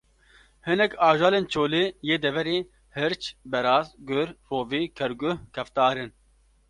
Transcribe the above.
Hinek ajalên çolê yê deverê: hirç, beraz, gur, rovî, kerguh, keftar in